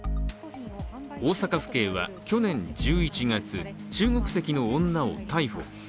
大阪府警は去年１１月、中国籍の女を逮捕。